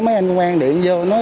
mấy anh quang điện vô